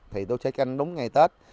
thì tôi sẽ canh đúng ngày tết